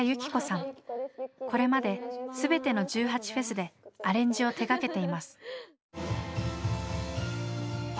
これまで全ての１８祭でアレンジを手がけています。